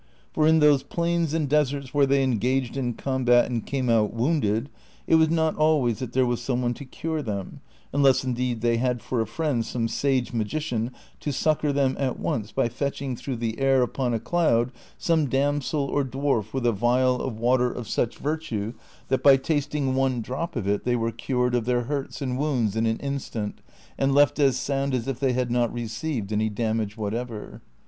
For in those plains and deserts where they engaged in combat and came out wounded, it was not always that there was some one to cure them, unless indeed they had for a friend some sage magician to succor them at once by fetching through the air upon a cloud some damsel or dwarf with a vial of Avater of such virtue that by tasting one drop of it they Avere cured of their hurts and wounds in an instant and left as sound as if they had not received any damage whatever.